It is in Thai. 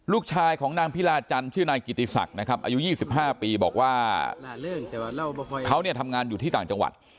ลูกชายของนางพิลาจันทร์ชื่อนายกิติศักดิ์นะครับอายุ๒๕ปีบอกว่าเขาเนี่ยทำงานอยู่ที่ต่างจังหวัด